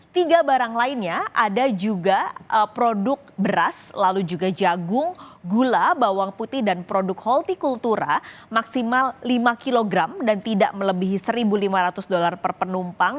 tiga barang lainnya ada juga produk beras lalu juga jagung gula bawang putih dan produk holti kultura maksimal lima kg dan tidak melebihi satu lima ratus dolar per penumpang